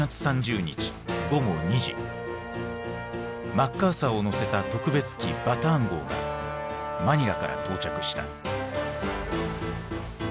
マッカーサーを乗せた特別機バターン号がマニラから到着した。